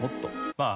まあ。